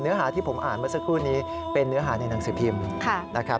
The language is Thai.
หาที่ผมอ่านเมื่อสักครู่นี้เป็นเนื้อหาในหนังสือพิมพ์นะครับ